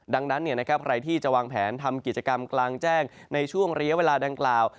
ดังนั้นใครที่จะวางแผนทำกิจกรรมกลางแจ้งในช่วงระยะเวลาดังกล่าว